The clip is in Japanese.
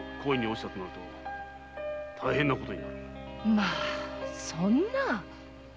まぁそんな？